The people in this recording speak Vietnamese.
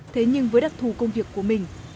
thế nhưng với đặc thù công việc của mình